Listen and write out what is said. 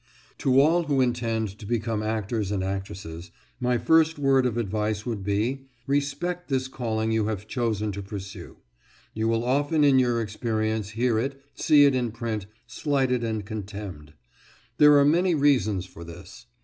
To all who intend to become actors and actresses, my first word of advice would be Respect this calling you have chosen to pursue. You will often in your experience hear it, see it in print, slighted and contemned. There are many reasons for this.